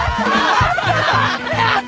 やった！！